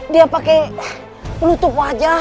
dia pake penutup wajah